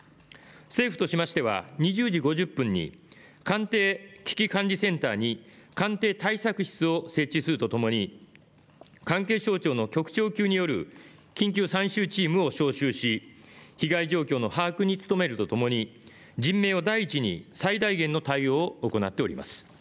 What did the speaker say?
政府としましては２０時５０分に官邸危機管理センターに官邸対策室を設置するとともに関係省庁の局長級による緊急参集チームを招集し被害状況の把握に努めるとともに人命を第一に最大限の対応を行っております。